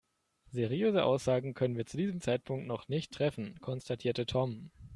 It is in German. Seriöse Aussagen können wir zu diesem Zeitpunkt noch nicht treffen, konstatierte Tom.